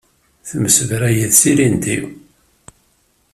Temsebra yid-s ilindi.